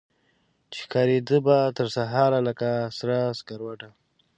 چي ښکاریده به ترسهاره لکه سره سکروټه